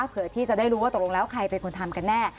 เพื่อที่จะได้รู้ว่าตกลงแล้วใครเป็นคนทำกันแน่